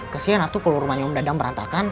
kesian kalau rumahnya om dadang merantakan